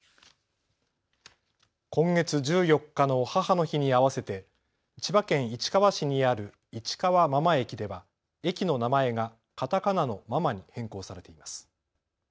今月１４日の母の日に合わせて千葉県市川市にある市川真間駅では駅の名前がカタカナのママに変更されています。